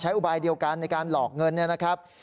อุบายเดียวกันในการหลอกเงินเนี่ยนะครับ